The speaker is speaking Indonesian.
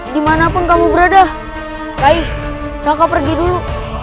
dimanapun kamu berada baik baik pergi dulu